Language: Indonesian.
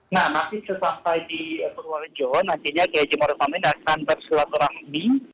nah nanti setelah sampai di purworejo nantinya kiai hedimor hamil akan berselaturan b